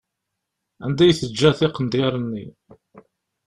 Anda i teǧǧa tiqnedyaṛ-nni?